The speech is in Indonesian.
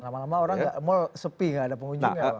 lama lama orang mall sepi gak ada pengunjungnya